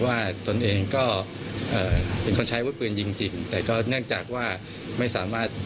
ตนเองก็เป็นคนใช้วุฒิปืนยิงจริงแต่ก็เนื่องจากว่าไม่สามารถ